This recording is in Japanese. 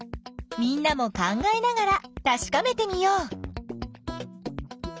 みんなも考えながらたしかめてみよう。